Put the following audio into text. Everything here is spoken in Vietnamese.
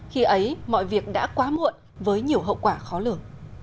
khi ấy mọi việc đã quá muộn với nhiều hậu quả khó lường